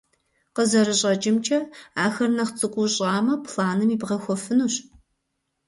КъызэрыщӀэкӀымкӀэ, ахэр нэхъ цӀыкӀуу щӀамэ, планым ибгъэхуэфынущ.